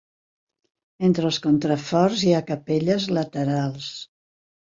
Entre els contraforts hi ha capelles laterals.